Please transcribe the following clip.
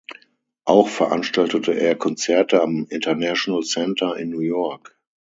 Auch veranstaltete er Konzerte am International Center in New York.